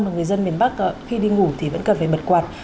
mà người dân miền bắc khi đi ngủ thì vẫn cần phải bật quạt